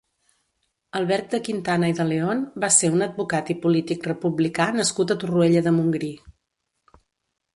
Albert de Quintana i de León va ser un advocat i polític republicà nascut a Torroella de Montgrí.